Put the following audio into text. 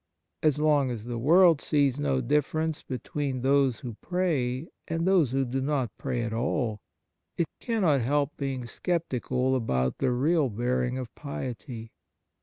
As long as the world sees no difference between those who pray and those who do not pray at all, it cannot help being *5 On Piety sceptical about the real bearing of piety.